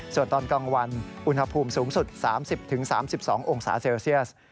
ส่วนตอนกลางวันอุณหภูมิสูงสุด๓๐๓๒องศาเซลเซียส